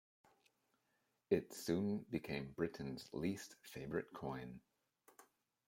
It soon became Britain's least favourite coin.